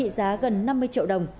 giá gần năm mươi triệu đồng